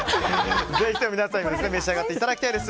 皆さんにも召し上がっていただきたいです。